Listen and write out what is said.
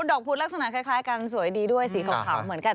ดอกพุธลักษณะคล้ายกันสวยดีด้วยสีขาวเหมือนกัน